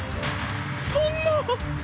そんな。